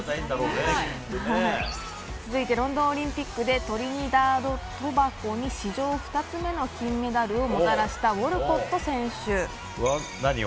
続いてロンドンオリンピックでトリニダード・トバゴに史上２つ目の金メダルをもたらしたウォルコット選手。